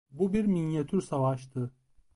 Bu bir minyatür savaştı.